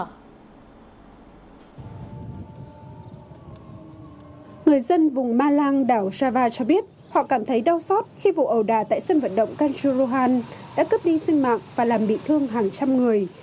người dân vùng malang đảo java cho biết họ cảm thấy đau xót khi vụ ầu đà tại sân vận động canchur rouhan đã cướp đi sinh mạng và làm bị thương hàng trăm người